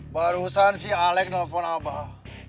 barusan si alec nelfon abah